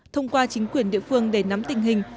thông qua chính quyền địa phương để nắm tình hình